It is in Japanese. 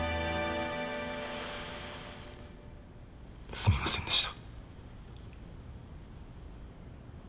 すみませんでした。